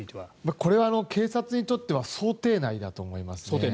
これは警察にとっては想定内だと思いますね。